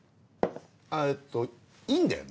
えっといいんだよね？